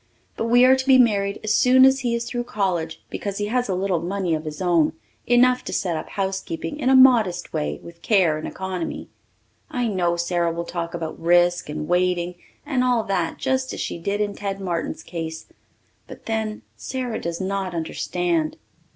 But we are to be married as soon as he is through college because he has a little money of his own enough to set up housekeeping in a modest way with care and economy. I know Sara will talk about risk and waiting and all that just as she did in Ted Martin's case. But then Sara does not understand.